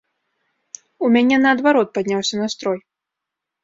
У мяне наадварот падняўся настрой.